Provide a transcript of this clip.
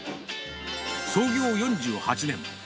創業４８年。